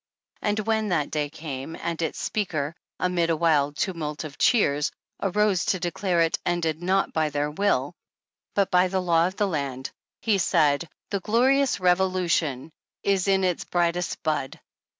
And when that day came, and its speaker, amid a wild tumult of cheers, arose to declare it ended not by their will, but by the law of the land, he said : 23 ^'The glorious revolution is in its brightest bud.